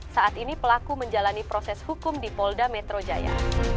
saat ini pelaku menjalani proses hukum di polda metro jaya